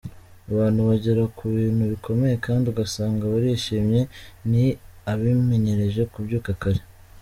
Abantu bagera ku bintu bikomeye kandi ugasanga barishimye ni abimenyereje kubyuka kare.